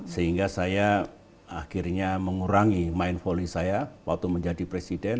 sehingga saya akhirnya mengurangi main volley saya waktu menjadi presiden